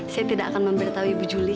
saya tidak akan memberitahu ibu julie